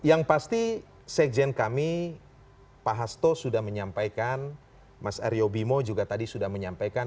yang pasti sekjen kami pak hasto sudah menyampaikan mas aryo bimo juga tadi sudah menyampaikan